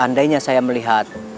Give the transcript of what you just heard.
seandainya saya melihat